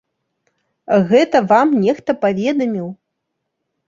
Гэта вам нехта паведаміў!